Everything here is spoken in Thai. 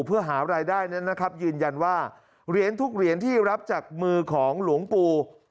เพื่อหารายได้นั้นนะครับยืนยันว่าเหรียญทุกเหรียญที่รับจากมือของหลวงปู่